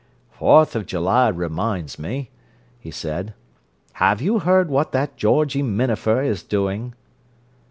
"Fourth of July reminds me," he said. "Have you heard what that Georgie Minafer is doing?"